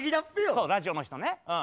そうラジオの人ねうん。